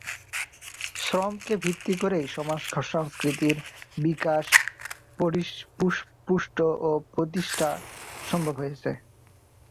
শ্রমকে ভিত্তি করেই সমাজ সংস্কৃতির বিকাশ, পরিপুষ্ট ও প্রতিষ্ঠা সম্ভব হয়েছে।